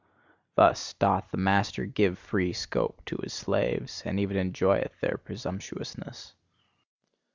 Thus doth the master give free scope to his slaves, and even enjoyeth their presumptuousness.